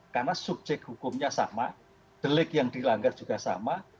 karena subjek hukumnya sama delik yang dilanggar juga sama